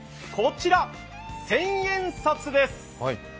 こちら千円札です。